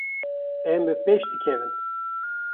Em bi pêş dikevin.